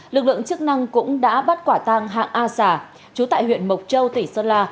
lực lượng chức năng cũng đã bắt quả tăng hạng a xà trú tại huyện bộc châu tỉnh sơn la